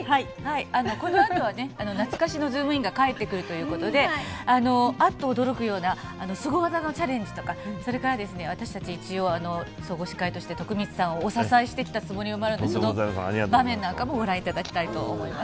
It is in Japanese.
このあとはね、懐かしのズームイン！！が帰ってくるということで、あっと驚くようなすご技のチャレンジとか、それから私たち一応、総合司会として徳光さんをお支えしてきたつもりもあるので、その場面なんかもご覧いただきたいと思います。